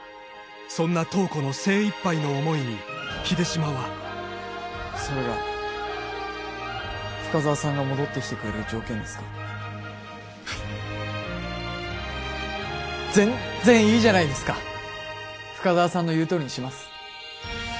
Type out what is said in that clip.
そんな塔子の精いっぱいの思いに秀島はそれが深沢さんが戻ってきてくれる条件ですかはい全然いいじゃないですか深沢さんの言うとおりにします